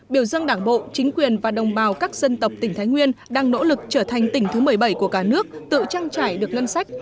biểu dân đảng bộ chính quyền và đồng bào các dân tộc tỉnh thái nguyên đang nỗ lực trở thành tỉnh thứ một mươi bảy của cả nước tự trang trải được ngân sách